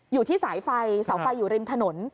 อยู่ที่สายไฟเสาไฟอยู่ริมถนน